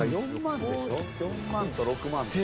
４万と６万でしょ？